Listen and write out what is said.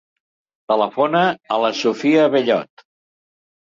Telefona a la Sophia Bellot.